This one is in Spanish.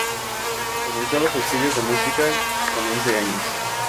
Comenzó los estudios de música con once años.